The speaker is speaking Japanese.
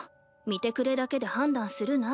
見てくれだけで判断するな」